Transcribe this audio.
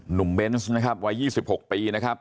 เบนส์นะครับวัย๒๖ปีนะครับ